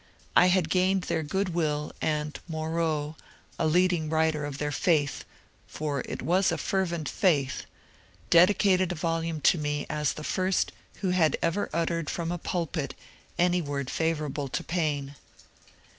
I had gained their good will, and Moreau, a leading writer of their faith, — for it was a fervent faith, — dedicated a volume to me as the first who had ever uttered from a pulpit any word favourable to Paine.